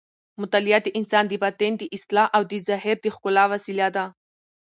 مطالعه د انسان د باطن د اصلاح او د ظاهر د ښکلا وسیله ده.